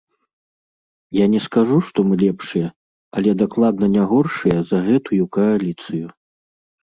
Я не скажу, што мы лепшыя, але дакладна не горшыя за гэтую кааліцыю.